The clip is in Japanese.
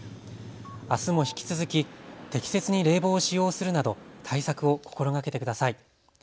あすも引き続き適切に冷房を使用するなど対策を心がけてください。